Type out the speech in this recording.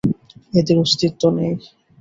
এদের অস্তিত্ব নেই।